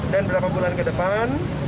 dan berapa bulan ke depan